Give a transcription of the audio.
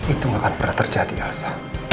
itu gak akan pernah terjadi alsa